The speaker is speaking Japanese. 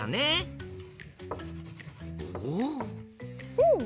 うん！